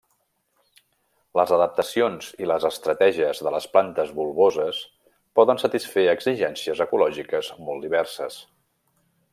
Les adaptacions i les estratègies de les plantes bulboses poden satisfer exigències ecològiques molt diverses.